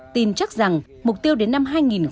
tin chắc rằng mục tiêu đến năm hai nghìn hai mươi